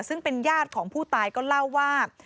ซึ่งเป็นญาติของผู้ตายก็เล่าว่า